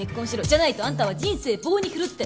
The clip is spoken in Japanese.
「じゃないとあんたは人生棒に振る」って。